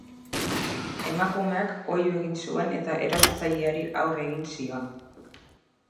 Emakumeak oihu egin zuen eta erasotzaileari aurre egin zion.